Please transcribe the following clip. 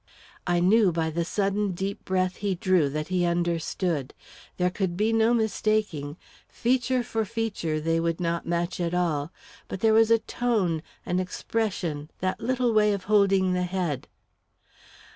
I knew by the sudden deep breath he drew that he understood. There could be no mistaking. Feature for feature they would not match at all; but there was a tone, an expression, that little way of holding the head....